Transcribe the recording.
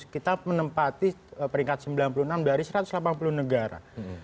kita menempati peringkat sembilan puluh enam dari satu ratus delapan puluh negara